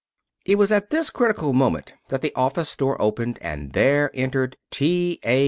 It was at this critical moment that the office door opened, and there entered T. A.